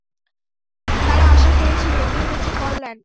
তারা আশা করেছিল, এতে রয়েছে কল্যাণ।